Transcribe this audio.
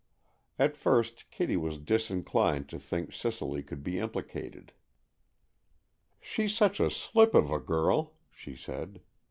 At first Kitty was disinclined to think Cicely could be implicated. "She's such a slip of a girl!" she said.